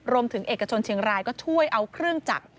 เอกชนเชียงรายก็ช่วยเอาเครื่องจักร